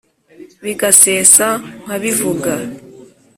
Bigasesa nkabivuga